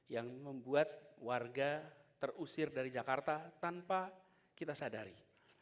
yang membuat warga terusir dari jakarta tanpa kita sadari